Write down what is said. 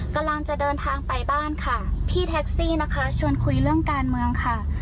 กำลังจะเดินทางไปบ้านค่ะพี่แท็กซี่นะคะชวนคุยเรื่องการเมืองค่ะ